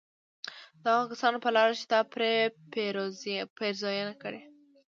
د هغو كسانو په لار چي تا پرې پېرزوينه كړې